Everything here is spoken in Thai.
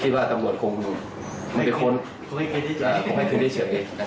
คิดว่าตำรวจคงมีคนคงให้พื้นได้เฉียบเอง